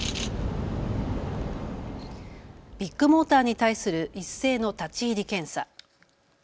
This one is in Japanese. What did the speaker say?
ビッグモーターに対する一斉の立ち入り検査。